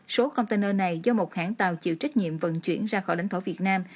số container này do một hãng tàu chịu trách nhiệm vận chuyển ra khỏi lãnh thổ việt nam